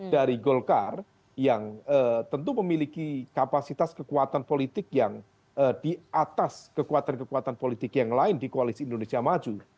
dari golkar yang tentu memiliki kapasitas kekuatan politik yang di atas kekuatan kekuatan politik yang lain di koalisi indonesia maju